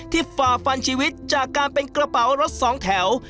ฝ่าฟันชีวิตจากการเป็นกระเป๋ารถสองแถว